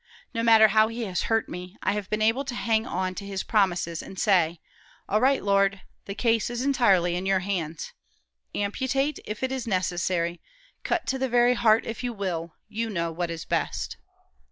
No matter how he has hurt me, I have been able to hang on to his promises, and say, 'All right, Lord. The case is entirely in your hands. Amputate, if it is necessary; cut to the very heart, if you will. You know what is best.'"